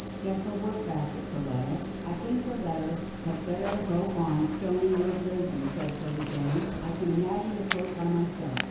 Get her work basket, Perletta." " I think Perletta had better go on stoning those raisins," said 'Tilda Jane. " I can manage the coat by myself."